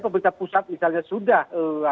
pemerintah pusat misalnya sudah